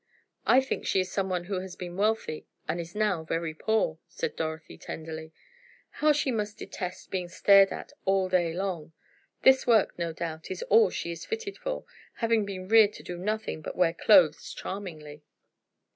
"I think she is someone who has been wealthy and is now very poor," said Dorothy, tenderly. "How she must detest being stared at all day long! This work, no doubt, is all she is fitted for, having been reared to do nothing but wear clothes charmingly."